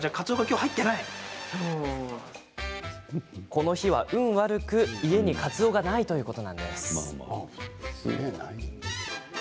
この日は運悪く家に、かつおがないというんです。